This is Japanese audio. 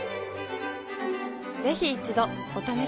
ぜひ一度お試しを。